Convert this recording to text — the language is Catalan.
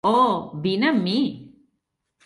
Oh, vine amb mi.